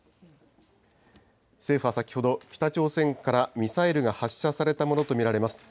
政府は先ほど、北朝鮮からミサイルが発射されたものと見られます。